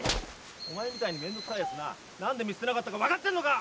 お前みたいに面倒くさいやつな何で見捨てなかったか分かってんのか？